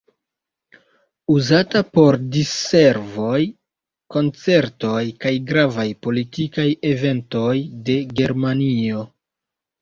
Uzata por diservoj, koncertoj kaj gravaj politikaj eventoj de Germanio.